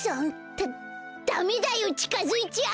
ダダメだよちかづいちゃあっ！